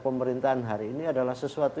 pemerintahan hari ini adalah sesuatu